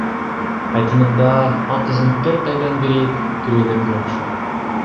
Айтымында, ал кызын төрт айдан бери көрө элек болчу.